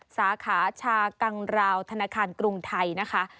สาขาชากังราวธนาคารกรุงไทยนะคะ